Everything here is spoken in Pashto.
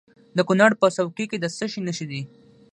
د کونړ په څوکۍ کې د څه شي نښې دي؟